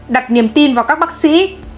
đặt niềm tin vào các bác sĩ